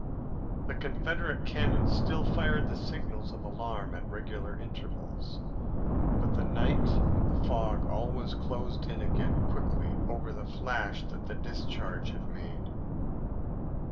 The Confederate cannon still fired the signals of alarm at regular intervals, but the night and the fog always closed in again quickly over the flash that the discharge had made.